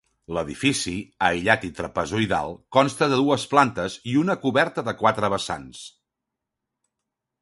L'edifici, aïllat i trapezoidal, consta de dues plantes i una coberta de quatre vessants.